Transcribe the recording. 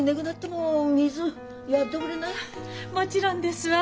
もちろんですわ。